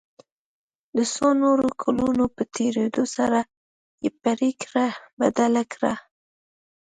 د څو نورو کلونو په تېرېدو سره یې پريکړه بدله کړه.